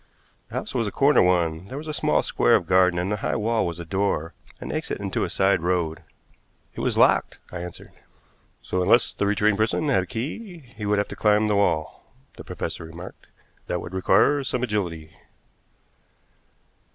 The house was a corner one. There was a small square of garden, and in the high wall was a door, an exit into a side road. "It was locked," I answered. "So, unless the retreating person had a key, he would have to climb the wall," the professor remarked. "That would require some agility."